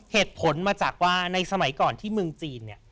เหตุผลมาจากว่าในสมัยก่อนที่เมืองจีนเนี่ย